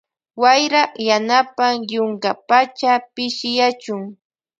Wayra yanapan yunkapacha pishiyachun.